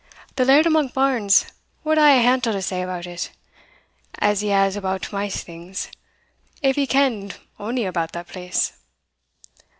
The Laird o' Monkbarns wad hae a hantle to say about it, as he has about maist things, if he ken'd only about the place.